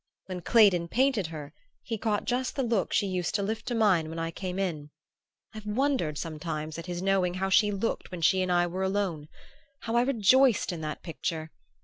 When Claydon painted her he caught just the look she used to lift to mine when I came in I've wondered, sometimes, at his knowing how she looked when she and I were alone. How I rejoiced in that picture!